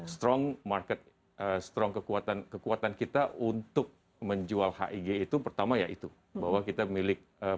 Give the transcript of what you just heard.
strong market strong kekuatan kita untuk menjual hig itu pertama ya itu bahwa kita milik pemerintah